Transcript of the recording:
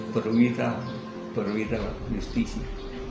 perwira perwira justitie